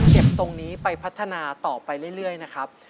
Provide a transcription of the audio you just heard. ตรงนี้ไปพัฒนาต่อไปเรื่อยนะครับ